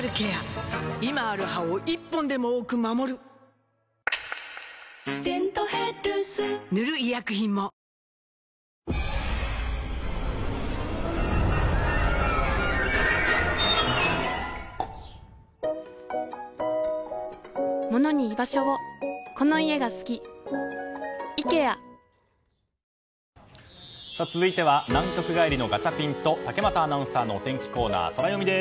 今ある歯を１本でも多く守る「デントヘルス」塗る医薬品も続いては南極帰りのガチャピンと竹俣アナウンサーのお天気コーナー、ソラよみです。